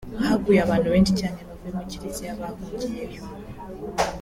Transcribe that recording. haguye abantu benshi cyane bavuye mu Kiliziya bahungiye yo